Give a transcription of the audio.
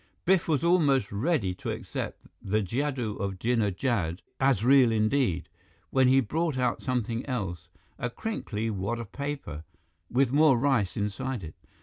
Biff was almost ready to accept the jadoo of Jinnah Jad as real indeed, when he brought out something else, a crinkly wad of paper, with more rice inside it.